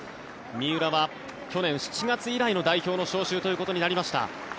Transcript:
三浦は去年７月以来の代表招集ということになりました。